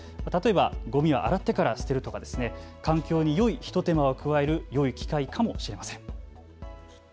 例えばごみは洗ってから捨てるとか環境によい一手間を加えるよい機会かもしれません。